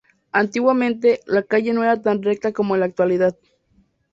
Antiguamente, la calle no era tan recta como en la actualidad.